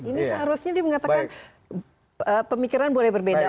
ini seharusnya dikatakan pemikiran boleh berbeda